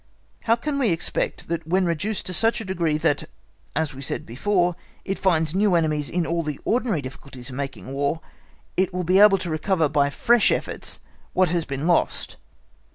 How can we expect that when reduced to such a degree that, as we said before, it finds new enemies in all the ordinary difficulties of making War, it will be able to recover by fresh efforts what has been lost!